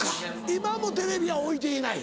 今もテレビは置いていない。